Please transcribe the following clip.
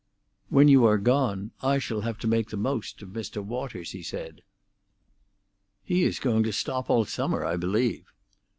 "When you are gone, I shall have to make the most of Mr. Waters," he said. "He is going to stop all summer, I believe."